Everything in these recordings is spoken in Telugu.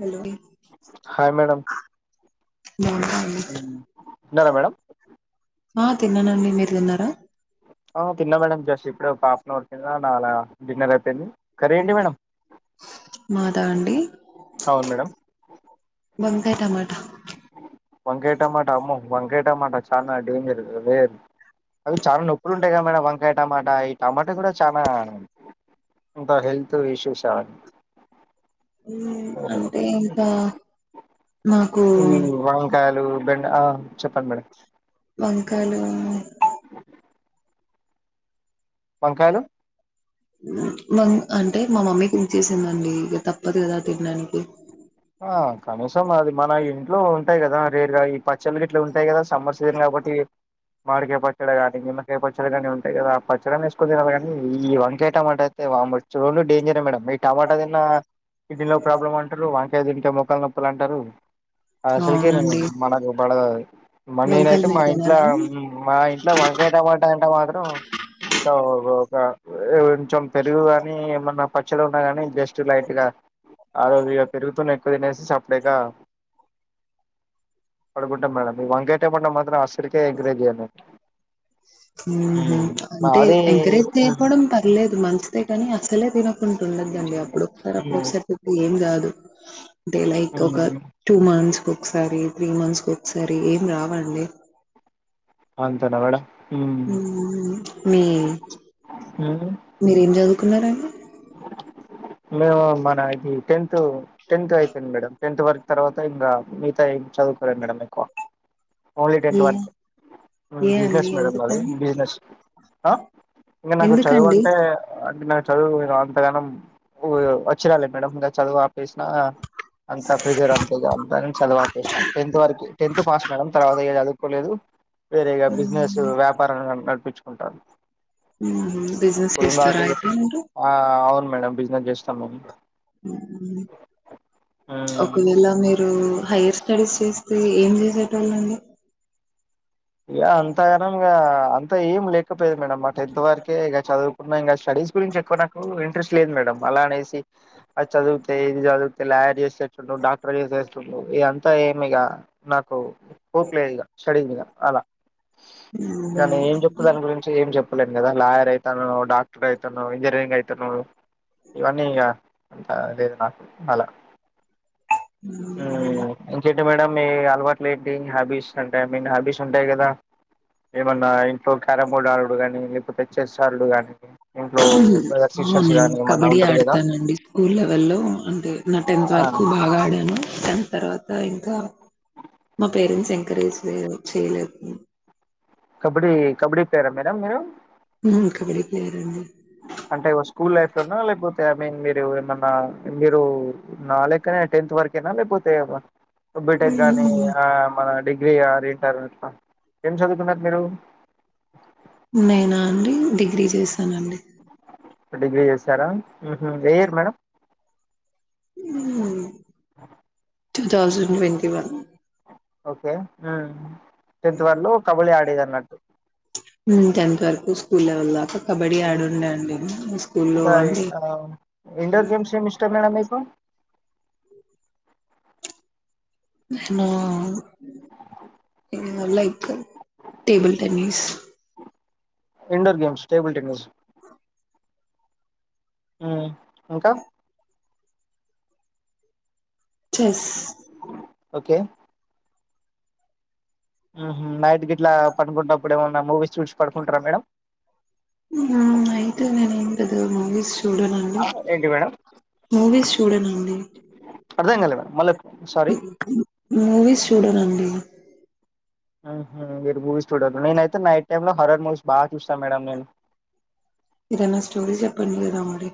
హలో బాగున్నా అండి తిన్నార మేడం ఆ తిన్నానండి మీరు తిన్నారా ఆ తిన్నా మేడంమ్ జస్ట్ ఇప్పుడు ఒక హాఫ్ అన్ అవర్ కింద నా డిన్నర్ అయిపోంది మాదా అండి అవును మేడం వంకాయ్ టమాటా వంకాయ టమాట అమ్మో వంకాయటమాట చాలా డేంజర్ రెర్ అవి చాలా నొప్పులు ఉంటాయి కద మేడం వంకాయ టమాటా ఈ టమాటా కూడా చాలా కొంత హెల్త్ ఇష్యూస్ ఊ అంటే ఇంకా మా వంకాయలు బెండ ఆ చెప్పండి మేడం వంకాలు టీ [inaudible] వంకాయలు వమ్ అంటే మా మమ్మీ కుక్ చేసిందండి ఇక తప్పదు కదా తినడానికి ఆ కనీసం అది మన ఇంట్లో ఉంటాయి కదా రేరు ఈ పచ్చళ్లు ఇట్లు ఉంటాయి కదా సమ్మర్ సీజన్ కాబట్టి మాడికాయ పచ్చడి కాని నిమ్మకాయ పచ్చడి కాని ఉంటాయి కదా ఆ పచ్చడిని వేసుకుని తిన కాగానీ ఈ వంకాయటమాటయితే వాల్లోచారే డేంజర్ మేడం మ టమాటా తిన్న కిడ్నీలో ప్రాబ్లమ్ అంటారు వంకాయ తింటే మోకాలు నొప్పులు అంటారు అసలుకే నేను అవునండి మనకు పడ మ వంకాయలు నేనైతే మా మీరు ఇంట్లో తినరా మా ఇంట్లో వా ఎైతే పంటా అంట మాత్రం ఇంత ఒక కొంచెం పెరుగు గాని ఏమన్నా పచ్చడి ఉన్నా గాని జస్ట్ లైట్ గా ఆ రోజు పెరుగుతోని ఎక్కువ తినేసి చప్పుడేక పడుగుంట మేడం ఈ వంకేట మండం మాత్రం అసలుకే ఎగ్ రైస్ జేసినం అంటే అది ఎంకరేజ్ చేయపోవడం పర్లేదు మంచిదే కాని అసలే తిన కుంటుండదండి అప్పుడు ఒకసారి అప్పుడు ఉమ్, ఒకసారి చెబితే ఏం కాదు అంటే లైక్ ఉమ్, ఒక టూ మంత్స్ కు ఒకసారి త్రీ మంత్స్కి ఒక్క సారి ఏం కాదండి అంతేనా మేడం ఉమ్, హామ్ మీ ఉమ్. మీరేం చదువుకున్నారండి య మేము మన ఇది టెన్త్ టెన్త్ అయిపోయింది మేడం టెన్త్ వరకు తర్వాత ఇంకా మిగతా చదువుకో మేడం మీకు ఓన్లీ ఏ టెన్త్ వర్క్ ఏ అండి బిజినెస్ మేడమ్ నాది ఎందుకని బిజినెస్ ఇంకా నాకు చదువు ఎందుకండి అంటే నాకు చదువు అంతగానం అ చ్చిరాలి మేడం ఇంకా చదువు ఆపేసిన అంతా ప్రిజర్వ్ అంతే అంతాని చదవాపేసిన టెన్త్ వరకు టెన్త్ పాస్ మేడమ్ తర్వాత చదువుకోలేదు వేరేగా బిజినెస్ వ్యాపార నడిపించుకుంటారు బిజినెస్ చేస్తారా అయితే మీరు ఆ అవును మేడంమ్ బిజినెస్ చేస్తాం మేము ఉ హ్మ్. ఒకవేళ మీరు హయర్ స్టడీస్ చేస్తే ఏం చేసేటోళ్ళండి ఇక అంతగానం ఇ అంత ఏం లేకపోయది మేడం ఆ టెన్త్ వరకే ఇక చదువుకున్నా ఇంకా స్టడీస్ గురించి ఎక్కువ నాకు ఇంట్రెస్ట్ లేదు మేడం అలా అనేసి అది చదివితే ఇది చదివితే లాయర్ చేసే చుండు డాక్టర్ చేసేసిండు ఇదంతా ఏమి లే నాకు హోప్ లేదు ఇంగ స్టడీ మీద అలా నేను ఏం చెప్పినా నువ్వు ఏం చేయవు చెప్పలేను కదా లాయర్ అవుతాను డాక్టర్ అవుతాను ఇంజనీరింగ్ అవుతాను ఇవన్నీ ఇంకా అంత లేదు నాకు అలా హుహుమ్ అంటే మేడం మీఅలవాటు లేదిగా హ్యాబీస్ అంటే ఐ మీన్ హ్యాబీస్ ఉంటాయి కదా ఏమన్నా ఇంట్లో క్యారెంబోర్డ్ ఆడుడు గాని లేకపోతే చెస్ ఆడుడు గాని ఇంట్లో బ్రదర్ సిస్టర్స్ నేను గాని ఏమన్నా కబడ్డీ ఉంటారు కదా ఆడతానండి స్కూల్ లెవెల్లో అంటే నా టెన్త్ వ ఆ రకు బాగా ఆడాను తర్వాత ఇంకా మా పేరెంట్స్ ఎంకరేజ్ చేయలేదు కబడ్డీ కబడ్డీ ప్లేయరా మేడం మీరు హ్మ్మ్ కబడ్డీ ప్లేయర్ అండి అంటే స్కూల్ లైఫ్ లోనా లేకపోతే మీన్ మీరు ఏమన్నా మీరు నా లెక్కనే టెన్త్ వరకు నా లేకపోతా బీటెక్ గాని మన డిగ్రీ అ ర ఇంటర్ట్ ఏం చదువుకున్నారు మీరు నేనా అండి డిగ్రీ చేశానండి డిగ్రీ చేసారా హుహుమ్ ఏ ఊరు మేడం హ్మ్మ్ గాజులమండ్యమ ఓకే ట్వంటీ వన్ లో కబడ్డీ ఆడేది అన్నట్టు టెన్త్ వరకు స్కూల్ లెవల్లో కబడ్డీ ఆడుండండి ఇంకా స్కూల్లోండి ఆ, ఇండోర్ గేమ్స్ ఏమిష్టమ్ మేడం మీకు? No like table tennis indoor games, table tennis um ఇంకా చెస్ ఓకే నైట్ గిట్లా పండుకుంటప్పుడేమన్నా మూవీస్ చూసి పడుకుంటారా మేడం ఉమ్ హు, అయితే నేనేమ్ పెద్దగా మూవీస్ చూడనండి, ఆ, ఏంటి మేడం మూవీస్ చూడనండి అర్థం కాలే మేడం మళ్ళీ సారీ మూవీస్ చూడనండి ఆహా [unintelligible] మూవీస్ చూడరు, నేనైతే నైట్ టైమ్ లో హరర్ మూవీస్ బాగా చూస్తాను మేడం నేను. ఏదన్నా స్టోరీ చెప్పండి గదా మరి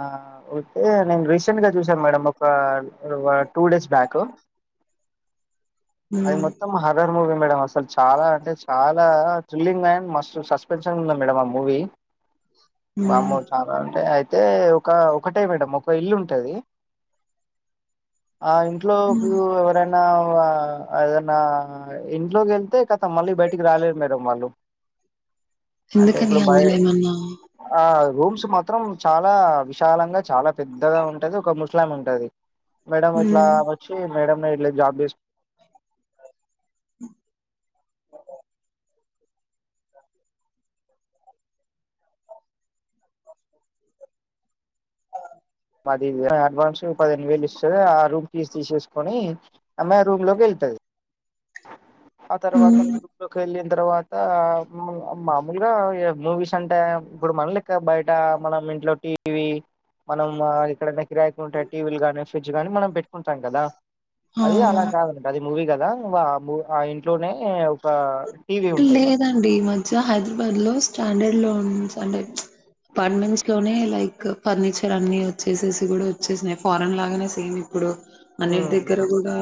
ఆ ఓకే, నేను రీసెంట్ గా చూసాను మేడం ఒకా అ వ టూ డేస్ బ్యాకు స అది మొత్తం హర్రర్ మూవీ మేడం అసలు చాలా అంటే చాలా థ్రిల్లింగ్ అండ్ మస్త్ సస్పెన్షన్ గున్ మేడమ్ ఆ మూవీ మ్మ్ వామ్మో చాలా అంటే తే ఒక ఒకటే మేడం ఒక ఇల్లు ఉంటది ఆ ఇంట్లోకి ఎవరైనా వా ఏదన్న ఇంట్లోకెళ్తే ఖతం మళ్ళీ బయటికి రాలేరు మేడమ్ వాళ్ళు అంటే ఎందుకని ఇప్పుడు బయ్ అందులో ఏమన్నా ఆ రూమ్స్ మాత్రం చాలా విశాలంగా, చాల పెద్దగా ఉంటది ఒక ముస్లామే ఉంటది మేడమ్ ఇట్లా మ్మ్ వచ్చి మేడమ్ ని గిట్ల జాబ్ చేస్ అదిగా డ్వాన్స్ పదిహేను వేలు ఇస్తుది, ఆ రూమ్ ఫీజ తీసేసుకొని అమ్మాయి రూమ్ లోకెళ్తది. ఆ తరువాత మ్మ్ రూంలోకెళ్ళిన్ తర్వాత మ్ మామూలుగా మూవీస్ అంటే ఇప్పుడు మనలెక్ క్క బయట మనం ఇంట్లో టీ వీ మనం ఎక్కడన్న కిరాయికుంటే టీ వీ లు గానీ ఫ్రిడ్జ్ గానీ మనం పెట్టుకుంటాం గదా ఆ అదీ అలా కాదనట్టు అది మూవీ కదా మూ ఆ ఇంట్లోనే ఒక టీవీ ఉంటది లేదండి ఈ మధ్య హైదరాబాద్ లో స్టాండర్డ్ లోన్స్ అంటే పార్ట్మెంట్స్ లోనే లైక్ ఫర్నిచర్ అన్ని వచ్చేసేసి గూడ వచ్చేసినాయి, ఫారెన్ లాగనే సేమ్ ఇప్పుడు. అన్నిటి ఉమ్ దగ్గర కూడా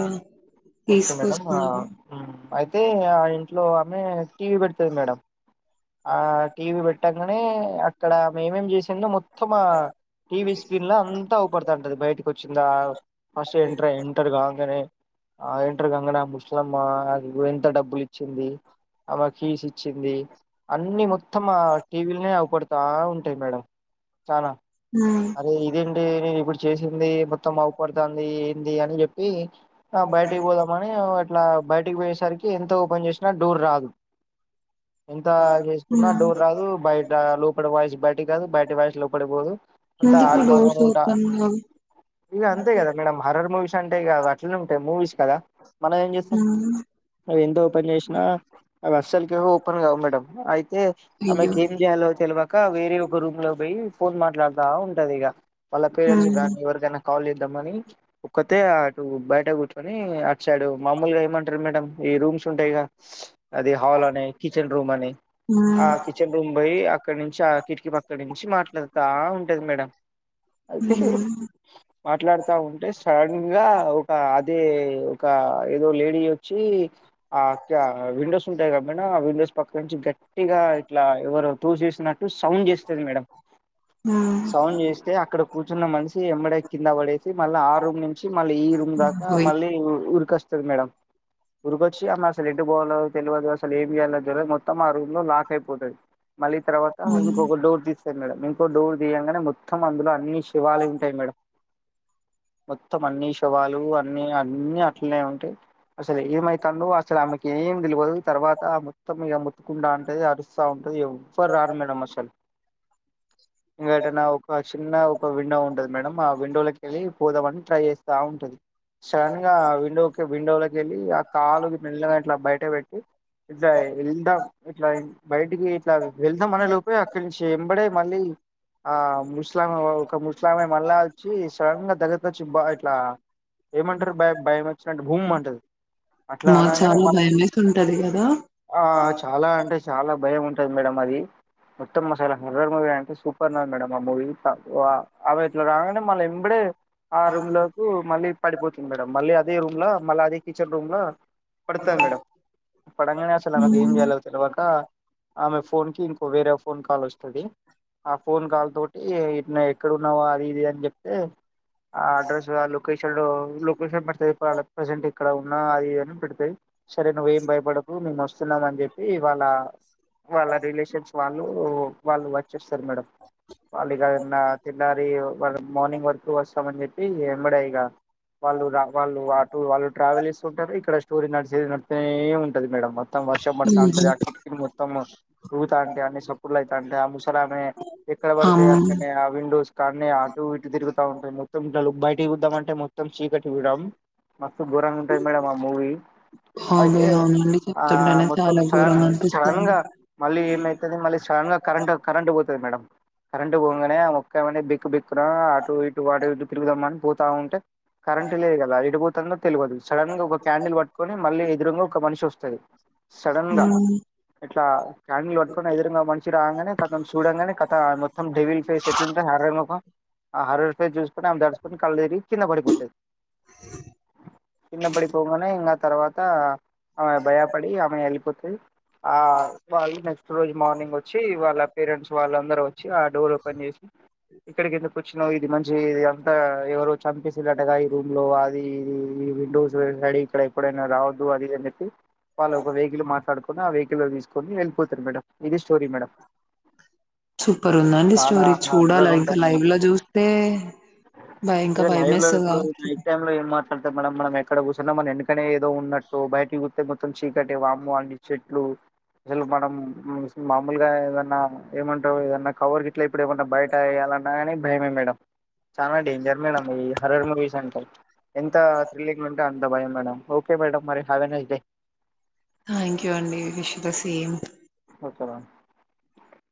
ఓకే మేడమ్ ఆ తీసుకొస్తున్నారు ఉమ్ అయితే ఆ ఇంట్లో ఆమె టీ వీ పెడతది మేడం ఆ టీ వీ పెట్టంగానే అక్కడామేమేం చేసిందో మొత్తం టీ వీ స్క్రీన్ ల అంతా అవుపడుతాంటది బయటికొచ్చిందా ఫస్ట్ ఎంటర్ ఎంటర్ కాగానే ఆ ఏంటర్ కాంగనే ఆ ముస్లమ్మ ఆమెకు ఎంత డబ్బులిచ్చింది ఆమె కీస్ ఇచ్చింది అన్ని మొత్తం ఆ టీ విల్నే అవుపడతా ఉంటయి మేడం చానా ఉమ్ అరే ఇదేంటి నేను ఇప్పుడు చేసింది మొత్తం అవుపడుతాంది ఏంది అని చెప్పి ఆమే బయటికి పోదాం అని అట్లా బయటికి పోయేసరికి ఎంతో పన్ జేష్నా డోర్ రాదు ఎంతా జేసుకున్నా డోర్ రాదు బయట లోపడ వాయిస్ బయటి రాదు, బయటి వాయిస్ లోపడ పోదు. అంత ఎందుకు డోర్స్ ఆగమాగము ఉంట ఓపెన్ కావు ఇగ అంతే కదా మేడం హర్రర్ మూవీస్ అంటేగా అట్లనే ఉంటయి మూవీస్ కదా మనం ఏంచేస్తం ఉమ్ అవీ ఎంత ఓపెన్ చేసినా అవి అస్సలుకి ఓపెన్ కావు మేడం అయితే అయ్యో ఆమెకి ఏం చేయాలో తెలువక వేరే ఒక రూమ్ లోకి పోయి ఫోన్ మాట్లాడతా ఉంటదిగా వాళ్ళ పేరెంట్స్ ఉమ్ గానీ ఎవరికైనా కాల్ చేద్ ద్ద మని ఒక్కతే అటు బయట కూర్చుకొనీ అట్ సైడు మాముల్గా ఏమంటార్ మేడం ఈ రూమ్స్ ఉంటయిగ అది హాల్ అని కిచెన్ రూమ్ అని. ఆ ఉమ్ కిచెన్ రూమ్ బోయ్ అక్కడి నించి ఆ కిటికి పక్కడినించి మాట్లాడతా ఉంటది మేడం. హ్మ్ మాట్లాడ్తా ఉంటే సడన్ గా ఒక అదే ఒక ఏదో లేడీ ఒచ్చి ఆ ఆ విండోస్ ఉంటయి కదా మేడం, విండోస్ పక్క నుంచి గట్ గట్టిగా ఇట్లా ఎవరో తోసేసినట్టు సౌండ్ చేస్తది మేడం ఉమ్ రౌన్ చేస్తే అక్కడ కూర్చున్న మనిషి వెంబడే కింద పడే చ్ మల్లా ఆ రూమ్ నుంచి మల్లి ఈ రూమ్ దాకా ఓయ్ మల్లి ఉరికొస్తది మేడం. ఉరుకొచ్చి ఆమె అసలు ఎటు పోవాలో తెలవదు అసలు ఏమి చేయలో తెలువదు మొత్తం ఆ రూమ్ లాక్ అయిపోతది. మళ్ళీ తర్వాత హ్మ్. ఇంకోక డోర్ తీస్తది మేడం ఇంకో డోర్ దిగంగానే మొత్తం అందులో అన్ని శవాలె ఉంటయి మేడం. మొత్తం అన్ని శవాలు అన్ని అన్ని అట్లనే ఉంటయి. అసలు ఏదిమైతాందో అసలు ఆమెకి ఏం తెలవదు. తర్వాత మొత్తం ఈగ మొత్తుకుంటావుంటది అరుస్తా వుంటది ఎవ్వరురారు మేడమ్ అసలు. ఇగ ఎటన్నా ఒక చిన్న ఒక విండో ఉంటది మేడం ఆ విండోలకల్లీ పోదం అని ట్రై చేస్తా వుంటది సడన్ గా విండోకే విండోలకెళ్ళి ఆ కాలు ని ఇట్ల మెల్లగా బయటపెట్టి ఇట్ల వెళ్దాం ఇట్లా బయటికి ఇట్లావెళ్దాం అనే లోపే అక్కడి నుంచి వెంబడే మల్లి ఆ ముసలిమా ఒక ముసలామా మళ్ళా వచ్చి సడన్ గా దగ్గర్కోచ్చి బా ఇట్లా ఏమంటరు బయ భయం వచ్చినప్పుడు భుమ్ అంటది. అట్లా మాకు అనంగానే చాలా భయమేసి ఉంటది కదా ఆ చాలా అంటే చాలా భయం ఉంటది మేడం అది మొత్తం మసాలా హరర్ మూవీ అనిపిస్తుంది సూపర్ ఉన్నది మేడమ్ ఆ మూవీ ప అవి ఇట్లరాంగానే మళ్ళీ ఎంబడే ఆ రూమ్ లోకి మళ్ళీ పడిపోతుంది మేడం మళ్ళీ అదే రూమ్ మల్లఅదే కిచన్ రూమ్ లా పడతది మేడం పడగానే అసలు ఆమెకు ఏం ఉమ్ చేయాలో తెలువక అమె ఫోన్ కి ఇంకో వేరే ఫోన్ కాల్ వస్తది ఆ ఫోన్ కాల్ తోటి ఇట్లనే ఎక్కడ ఉన్నావ్ అది ఇది అని చెప్తే ఆ అడ్రెస్ ఆ లోకేషన్ లో లొకేషన్ సే ప్రజెంట్ ఇక్కడ ఉన్నా అది ఇదని పెడతది సరే నువ్ ఏం భయపడకు ఉన్నాయి మేము వస్తున్నాం అని చెప్పి. ఇ వాళ్ళ వాళ్ళ రిలేషన్స్ వాళ్ళు వచ్చేస్ మేడమ్ వాళ్ళు ఇగ నా తిట్ గారి వాళ్ళ మార్నింగ్ వరకు వస్తామని చెప్పి వెంబడే ఇగ వాళ్ళు రా వాళ్ళు అటూ వాళ్ళు ట్రావెల్ చేస్తుకుంటారు ఇక్కడ స్టోరీ నడిచేది నడ్తనే వుంటది మేడం మొత్ మొత్తం వర్షం పడుతాంటది ఉమ్ ఆ కిటికీ మొత్తం ఊగుతాంటయి అన్ని సపుళ్ళులైతంటె ఆ ముసలా ఎక్కడ పడితే అమ్ అక్కడనే అ విండోస్ కాన్నే అటు ఇటు తిరుగుతాఉంటది మొత్తం ఇగ బయటకి చూద్దాం అంటే మొత్తం చీకటి మేడమ్ మస్తు ఘోరంగా వుంటది మేడం ఆ మూవీ. హామే అవునని హా మొత్తం సడన్ సడన్ గా మళ్ళీ ఏమెయితది మళ్ళీ సడన్ గా కరెంట్ కరెంట్ పోతది. తది మేడమ్ కరెంట్ పొంగనే మే ఒక్కమనే బిక్కు బిక్కున అటు ఇటు వాటు ఇటు తిరుగుదామని పోతా వుంటె కరెంట్ లేదు కదా ఏటుపోతందో తెలువదు సడన్ గా ఒక క్యాండిల్ పట్టుకొని మళ్లీ ఎదురుంగా ఒక మనిషి వస్త తది సడన్గా ఇట్ల క్యాండిల్ పట్టుకుని ఎదురుంగా మనిషి రాంగానే కతం స్ చూడంగానే కథ మొత్తం డెవిల్ ఫేస్ ఎట్లుంటది హర్రర్ మొఖం ఆ హర్రర్ ఫస్ చూస్ కొని అ దడ్స్కుని కళ్ళుదిరిగి కింద పడిపోతది కింద పడిపొంగనే ఇంగ ఆ తర్వాత ఆమె భయపడి ఆమె వెళ్ళిపోతది ఆ వాళ్ళు నెక్స్ట్ రోజు మార్నింగ్ వచ్చి వాళ్ళ పేరెంట్స్ వాళ్ళందరూ వచ్చి ఆ డోర్ ఓపెన్ చేసి ఇక్కడ కింద వచ్చిన్ ఇది మంచి ఇది అంతా ఎవరు చంపేసిళ్ళటుగా ఈ రూమ్ లో అది ఇ ఈ విండోస్ డి ఇక్కడ ఎప్పుడైనా రావద్దు అది అని చెప్పి వాళ్ళ ఒక వెహికల్ మాట్లాడుకుొని ఆ వెహికల్ లో తీసుకొని వెళ్ళిపోతారు మేడం ఇది స్టోరీ మేడం సూపర్ ఉందండి చానా స్టోరీ చూడాలా హర్రర్ ఇంకా లైవ్ లో చూస్తే భ ఇంకా అదే లైవ్ లో భయమేస్తది ఇప్పుడు కావచ్చు టై లో ఏం మాట్లాడుత మన మనం ఎక్కడ కూర్చున్నా మన వెనకనే ఏదో ఉన్నట్టు బయటికి గుస్తే మొత్తం చీకటి వామ్మో అన్ని చెట్లు అసలు మనం మామూలుగా ఏదన్నా ఏమంటారు ఏదన్నా కవర్ గ ఇట్లా ఇప్పుడు ఏమన్నా బయట వేయ్యాలన్నా అని భయమే మేడం చాలా డెంజర్ మేడం హర్రర్ మూవీస్ అంటె ఎంత థ్రిల్లింగ్ ఉంటే అంత భయం మేడం ఓకే మేడం మరి have nice day thank you అండి విష్ యూ ద సేమ్ స సర [unintelligible]